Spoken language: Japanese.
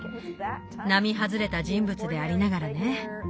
並外れた人物でありながらね。